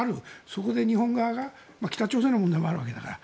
そこで日本側が北朝鮮の問題もあるわけだから。